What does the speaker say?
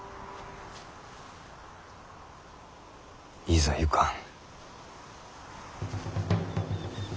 いざ行かん。